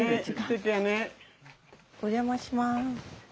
お邪魔します。